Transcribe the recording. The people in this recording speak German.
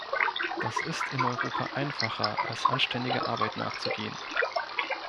Das ist in Europa einfacher als anständiger Arbeit nachzugehen!